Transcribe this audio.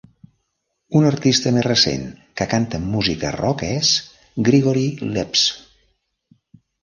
Un artista més recent que canta amb música rock és Grigory Leps.